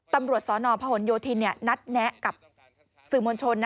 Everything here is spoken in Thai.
ตำรวจสนพหนโยธินนัดแนะกับสื่อมวลชน